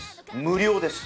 無料です。